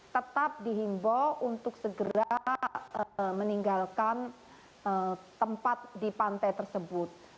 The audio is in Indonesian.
tetap dihimbau untuk segera meninggalkan tempat di pantai tersebut